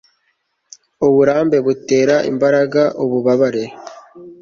uburambe, butera imbaraga, ububabare